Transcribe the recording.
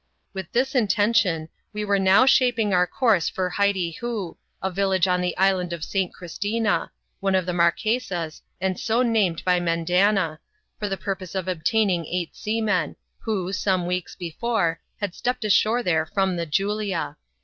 With this intention, we were now shaping our course for Hytyhoo, a village on the island of St. Christina — one of the Msurqucsas, and so named by Mendanna — for the purpose of obtaining eight seamen, who, some weeks before, had stepped ashore there from the Julia.